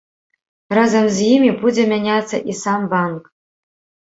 Разам з імі будзе мяняцца і сам банк.